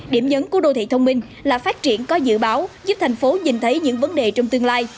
điểm nhấn của đô thị thông minh là phát triển có dự báo giúp thành phố nhìn thấy những vấn đề trong tương lai